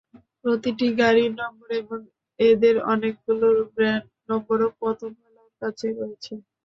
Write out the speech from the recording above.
প্রতিটি গাড়ির নম্বর এবং এদের অনেকগুলোর ব্র্যান্ড নম্বরও প্রথম আলোর কাছে রয়েছে।